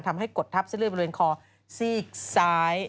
กดทับเส้นเลือดบริเวณคอซีกซ้าย